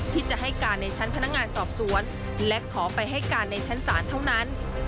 ที่จะให้การในชั้นพนักงานสอบสวนและขอไปให้การในชั้นศาลเท่านั้น